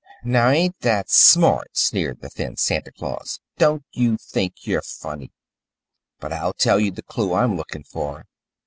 "Now, ain't that smart?" sneered the thin Santa Claus. "Don't you think you're funny? But I'll tell you the clue I'm looking for.